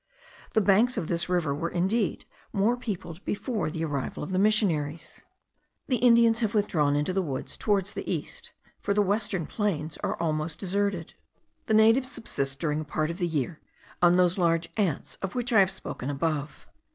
The banks of this river were indeed more peopled before the arrival of the missionaries; the Indians have withdrawn into the woods, toward the east; for the western plains are almost deserted. The natives subsist during a part of the year on those large ants of which I have spoken above.